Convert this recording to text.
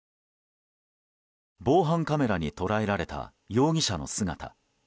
防犯カメラに捉えられた容疑者の姿。